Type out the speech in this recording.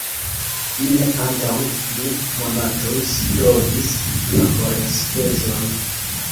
Fine antaŭ du monatoj ŝi trovis laborenspezon.